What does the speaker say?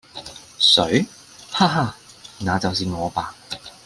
誰？哈哈！那就是我吧！